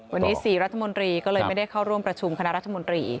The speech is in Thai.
วันนี้๔รัฐมนตรีก็เลยไม่ได้เข้าร่วมประชุมคณะรัฐมนตรี